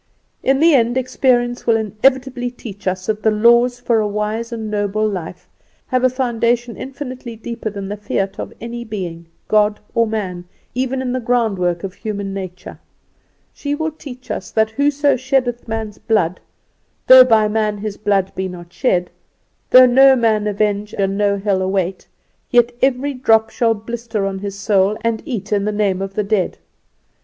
"In the end experience will inevitably teach us that the laws for a wise and noble life have a foundation infinitely deeper than the fiat of any being, God or man, even in the groundwork of human nature. "She will teach us that whoso sheddeth man's blood, though by man his blood be not shed, though no man avenge and no hell await, yet every drop shall blister on his soul and eat in the name of the dead.